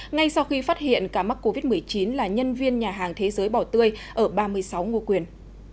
ngay sau khi phát hiện cả mắc covid một mươi chín là nhân viên nhà hàng thế giới bỏ tươi ở ba mươi sáu ngô quyền